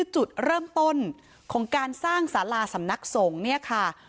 จุดเริ่มต้นของการสร้างสาราสำนักสงฆ์เนี่ยค่ะ